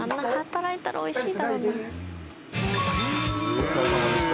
お疲れさまでした。